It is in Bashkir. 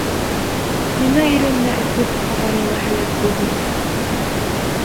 Минең ирем дә эсеп аварияла һәләк булды.